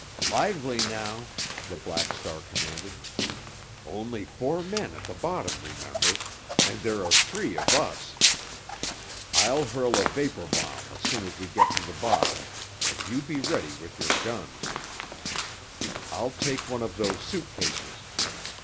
"Lively now," the Black Star commanded. "Only four men at the bottom, remember, and there are three of us. I'll hurl a vapor bomb as soon as we get to the bottom, and you be ready with your guns. I'll take one of those suit cases.